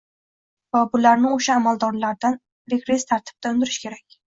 va bularni o‘sha amaldorlardan regress tartibda undirish kerak.